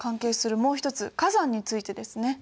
もう一つ火山についてですね。